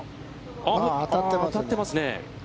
あっ、当たってますね。